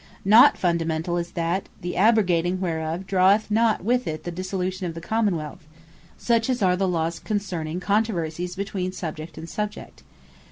Not Fundamentall is that the abrogating whereof, draweth not with it the dissolution of the Common Wealth; such as are the Lawes Concerning Controversies between subject and subject.